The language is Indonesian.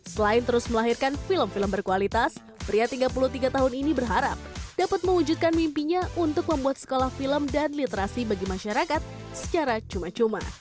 selain terus melahirkan film film berkualitas pria tiga puluh tiga tahun ini berharap dapat mewujudkan mimpinya untuk membuat sekolah film dan literasi bagi masyarakat secara cuma cuma